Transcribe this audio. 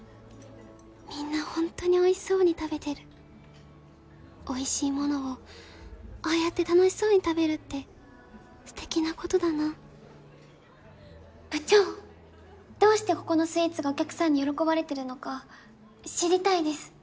みんなホントにおいしそうに食べてるおいしいものをああやって楽しそうに食べるってステキなことだな部長どうしてここのスイーツがお客さんに喜ばれてるのか知りたいです